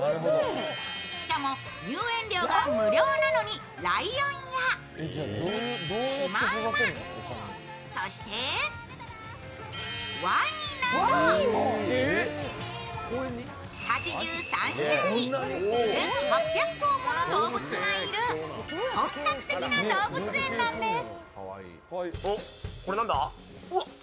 しかも入園料が無料なのにライオンやシマウマ、そしてワニなど、８３種類１８００頭もの動物がいる、本格的な動物園なんです。